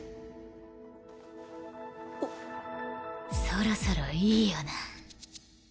そろそろいいよな。